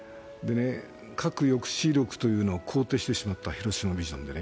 核抑止力というのを肯定してしまった、広島ビジョンで。